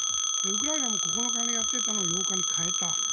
ウクライナも９日にやっていたのを８日に変えた。